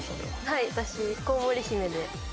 はい私コウモリ